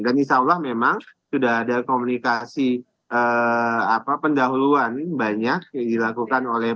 dan insya allah memang sudah ada komunikasi pendahuluan banyak yang dilakukan oleh